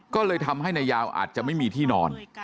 ก็เลยทำให้นายยาวอาจจะไม่มีที่นอน